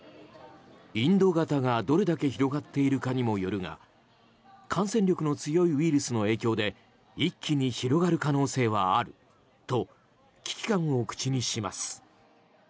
インド型がどれだけ広がっているかにもよるが感染力の強いウイルスの影響で一気に広がる可能性はあると危機感を口にします。